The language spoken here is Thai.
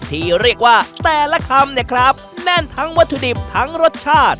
ที่เรียกว่าแต่ละคำเนี่ยครับแน่นทั้งวัตถุดิบทั้งรสชาติ